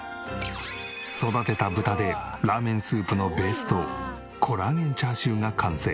育てた豚でラーメンスープのベースとコラーゲンチャーシューが完成。